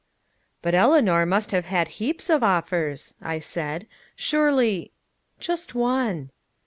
"But Eleanor must have had heaps of offers," I said, "surely " "Just one."